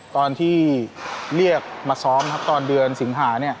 ตอนที่เรียกมาซ้อมตอนเดือนสิงหา